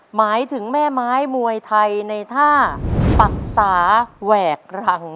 หมายถึงแม่ไม้มวยไทยในท่าปรักษาแหวกรัง